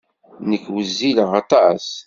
Nekk wezzileɣ aṭas.